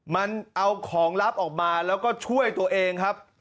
มันเอาของลับออกมาแล้วก็ช่วยตัวเองครับ